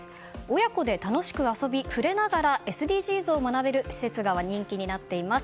親子で楽しく遊び触れながらＳＤＧｓを学べる施設が人気になっています。